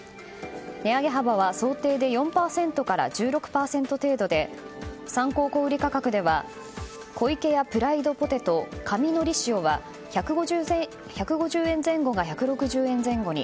値上げ幅は想定で４％から１６％程度で参考小売価格では湖池屋プライドポテト神のり塩は１５０円前後が１６０円前後に。